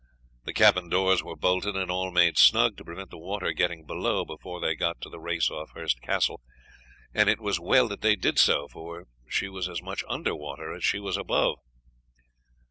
The cabin doors were bolted, and all made snug to prevent the water getting below before they got to the race off Hurst Castle; and it was well that they did so, for she was as much under water as she was above.